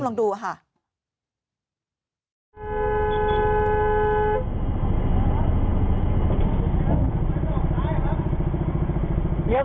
นั่นอ่ะไฟเขียวน่ะ